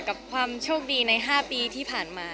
กับความโชคดีใน๕ปีที่ผ่านมา